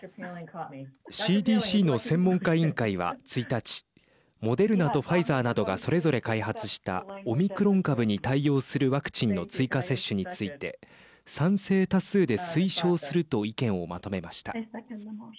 ＣＤＣの専門家委員会は１日モデルナとファイザーなどがそれぞれ開発したオミクロン株に対応するワクチンの追加接種について賛成多数で推奨すると意見をまとめました。